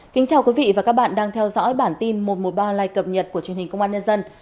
kính chào quý vị và các bạn đang theo dõi bản tin một trăm một mươi ba online cập nhật của truyền hình công an nhân dân